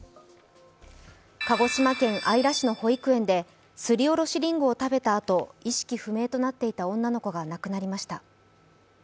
鹿児島県姶良市の保育園ですりおろしりんごを食べたあと意識不明となっていた女の子が亡くなりました。